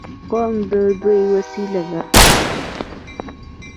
قوم د دوی وسیله ده.